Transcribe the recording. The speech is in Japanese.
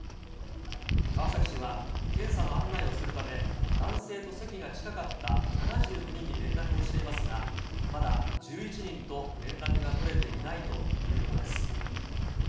川崎市は、検査の案内をするため、男性と席が近かった７９人に連絡をしていますが、まだ１１人と連絡が取れていないということです。